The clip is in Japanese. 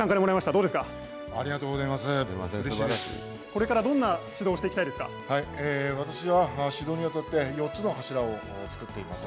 うれこれからどんな指導していき私は、指導にあたって、４つの柱を作っています。